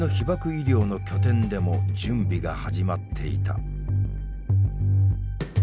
医療の拠点でも準備が始まっていた。